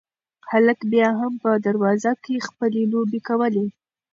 هلک بیا هم په دروازه کې خپلې لوبې کولې.